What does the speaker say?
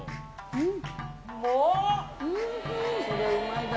うん。